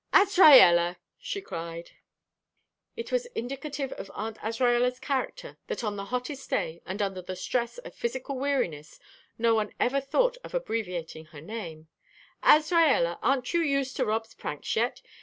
"Azraella," she cried it was indicative of Aunt Azraella's character that on the hottest day, and under the stress of physical weariness, no one ever thought of abbreviating her name "Azraella, aren't you used to Rob's pranks yet?